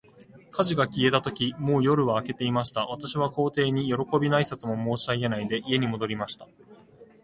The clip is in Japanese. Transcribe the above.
火事が消えたとき、もう夜は明けていました。私は皇帝に、よろこびの挨拶も申し上げないで、家に戻りました。